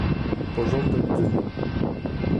Porządek dnia